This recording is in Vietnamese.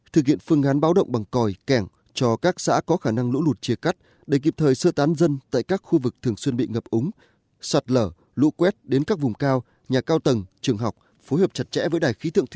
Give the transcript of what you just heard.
thực hiện phương ngán báo động bằng còi kẻng cho các xã có khả năng lũ lụt chia cắt để kịp thời sơ tán dân tại các khu vực thường xuyên bị ngập úng